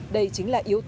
đây chính là yếu tố